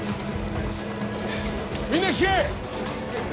みんな聞け！